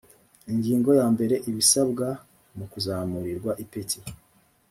ingingo ya mbere ibisabwa mu kuzamurirwa ipeti